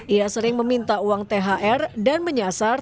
ia sering meminta uang thr dan menyasar